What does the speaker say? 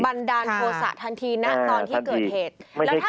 บันดาลโทษะทันทีณตอนที่เกิดเหตุ